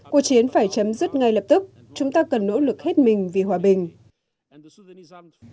cuộc chiến phải chấm dứt ngay lập tức chúng ta cần nỗ lực hết mình vì hòa bình